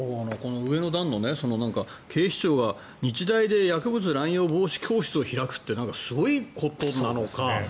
上の段の警視庁が日大で薬物乱用防止教室を開くってすごいことなのか。